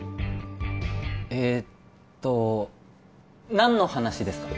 えーっと何の話ですか？